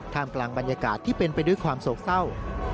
กลางบรรยากาศที่เป็นไปด้วยความโศกเศร้า